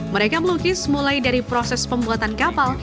mereka melukis mulai dari proses pembuatan kapal